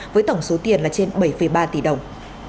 với tổng số tiền là trên bảy ba tỷ đồng